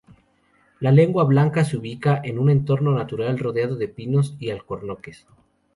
La laguna blanca se ubica en un entorno natural rodeado de pinos y alcornoques.